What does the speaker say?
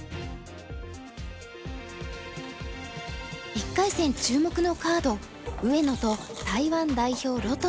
１回戦注目のカード上野と台湾代表盧との一戦。